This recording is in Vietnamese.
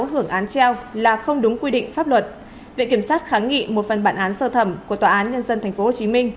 hưởng án treo là không đúng quy định pháp luật viện kiểm sát kháng nghị một phần bản án sơ thẩm của tòa án nhân dân tp hcm